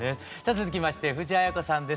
続きまして藤あや子さんです。